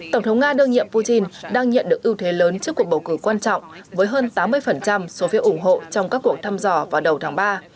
tổng thống nga đơn nhiệm putin đang nhận được ưu thế lớn trước cuộc bầu cử quan trọng với hơn tám mươi số phiếu ủng hộ trong các cuộc thăm dò vào đầu tháng ba